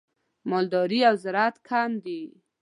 مالداري او زراعت کم دي.